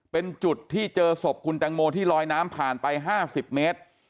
เป็นจุดที่เจอศพคุณแตงโมที่ลอยน้ำผ่านไป๕๐เมตร